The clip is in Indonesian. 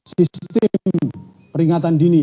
sistem peringatan dini